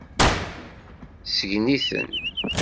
Sgen-iten.